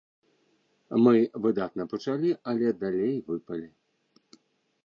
Мы выдатна пачалі, але далей выпалі.